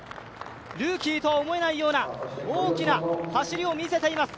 ルーキーとは思えないような大きな走りを見せています。